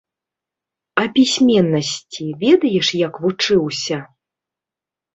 А пісьменнасці ведаеш як вучыўся?